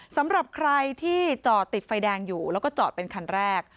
สำหรับใครที่จอดติดไฟแดงอยู่แล้วก็จอดเป็นคันแรก